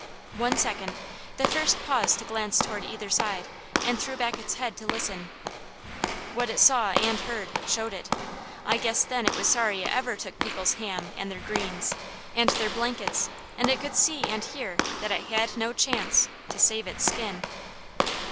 One second, the first paused to glance toward either side, and threw back its head to listen. What it saw, and heard, showed it. I guess then it was sorry it ever took people's ham, and their greens, and their blankets; and it could see and hear that it had no chance to save its skin.